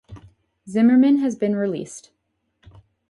Zimmermann has been released.